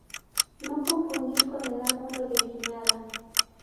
No confundir con el ángulo de guiñada.